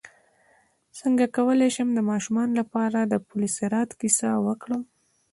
څنګه کولی شم د ماشومانو لپاره د پل صراط کیسه وکړم